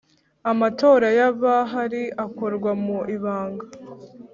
Amatora y’abahari akorwa mu ibanga